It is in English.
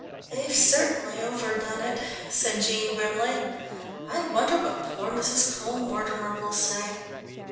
"They've certainly overdone it," said Jean grimly. "I wonder what poor Mrs. Cole Mortimer will say.